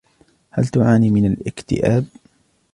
هل تعاني من الأكتئاب؟